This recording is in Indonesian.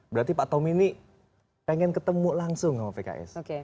berarti pak tommy ini pengen ketemu langsung sama pks